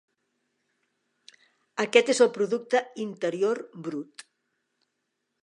Aquest és el producte interior brut.